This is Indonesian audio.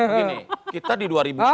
begini kita di dua ribu